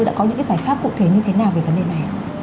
đã có những cái giải pháp cụ thể như thế nào về vấn đề này ạ